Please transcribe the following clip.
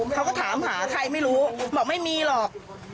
เขาก็ถามหาใครไม่รู้บอกไม่มีหรอก